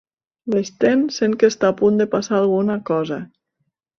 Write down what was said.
L'Sten sent que està a punt de passar alguna cosa.